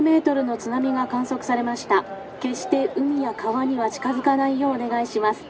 「決して海や川には近づかないようお願いします。